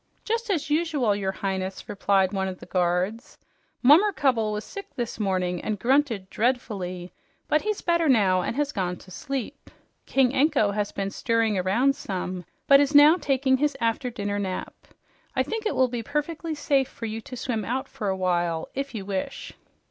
"Just as usual, your Highness," replied one of the guards. "Mummercubble was sick this morning and grunted dreadfully, but he's better now and has gone to sleep. King Anko has been stirring around some, but is now taking his after dinner nap. I think it will be perfectly safe for you to swim out for a while, if you wish."